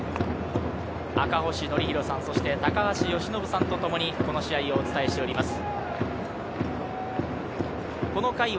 赤星憲広さん、そして高橋由伸さんとともにこの試合をお伝えしております。